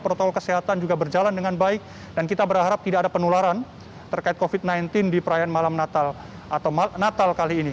protokol kesehatan juga berjalan dengan baik dan kita berharap tidak ada penularan terkait covid sembilan belas di perayaan malam natal atau natal kali ini